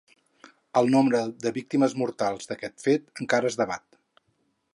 El nombre de víctimes mortals d'aquests fets, encara es debat.